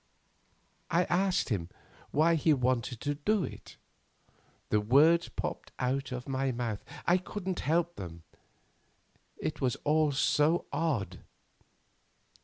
I asked him why he wanted to do it—the words popped out of my mouth, I couldn't help them; it was all so odd.